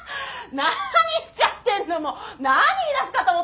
何言っちゃってんのもう。